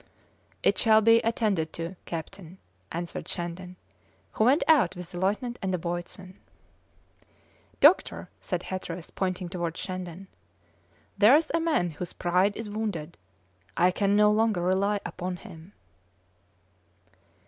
"It shall be attended to, captain," answered Shandon, who went out with the lieutenant and the boatswain. "Doctor!" said Hatteras, pointing towards Shandon, "there's a man whose pride is wounded; I can no longer rely upon him."